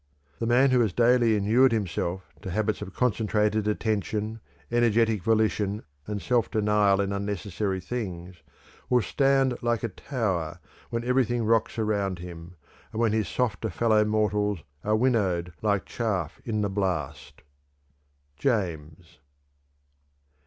The man who has daily inured himself to habits of concentrated attention, energetic volition, and self denial in unnecessary things will stand like a tower when everything rocks around him, and when his softer fellow mortals are winnowed like chaff in the blast." _James.